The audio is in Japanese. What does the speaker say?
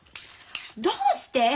どうして？